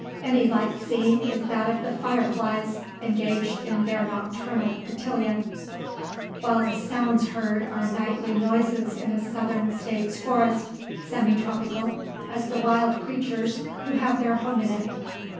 Any light seen is that of the fire flies, engaged in their nocturnal cotillon; while the sounds heard are nightly noises in a Southern States forest, semi tropical, as the wild creatures who have their home in it.